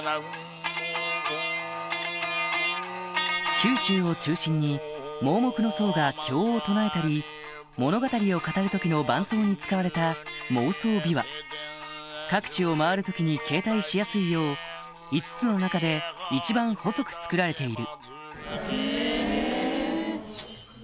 九州を中心に盲目の僧が経を唱えたり物語を語る時の伴奏に使われた盲僧琵琶各地を回る時に携帯しやすいよう５つの中で一番細く作られている